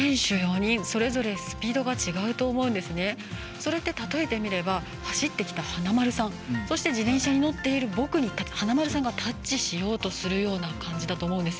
それって、例えてみれば走ってきた、華丸さんそして自転車に乗っている僕に華丸さんがタッチしようとするような感じだと思うんです。